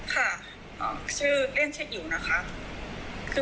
ค่ะชื่อเล่นเช็คอยู่นะคะ